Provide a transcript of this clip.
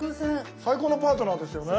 最高のパートナーですよね。